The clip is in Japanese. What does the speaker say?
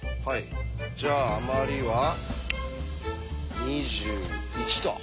じゃああまりは２１と。